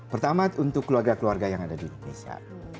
pertama untuk keluarga keluarga yang ada di indonesia